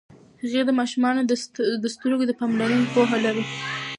هغې د ماشومانو د سترګو د پاملرنې پوهه لري.